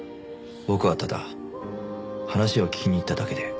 僕はただ話を聞きに行っただけで。